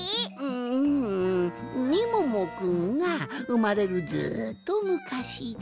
んみももくんがうまれるずっとむかしじゃ。